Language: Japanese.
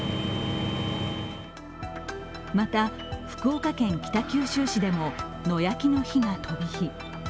また、福岡県北九州市でも野焼きの火が飛び火。